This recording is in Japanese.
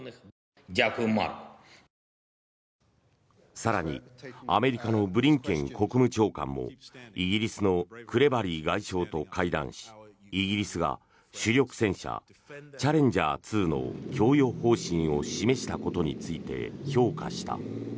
更にアメリカのブリンケン国務長官もイギリスのクレバリー外相と会談しイギリスが主力戦車チャレンジャー２の供与方針を示したことについて評価した。